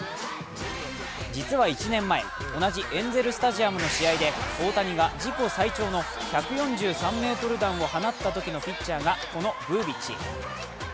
実は１年前、同じエンゼルスタジアムの試合で大谷が大谷が自己最長の１４３ｍ弾を放ったときのピッチャーがこのブービッチ。